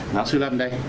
nói sư lâm đây